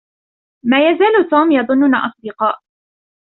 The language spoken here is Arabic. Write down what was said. ما يزال توم يظننا أصدقاء.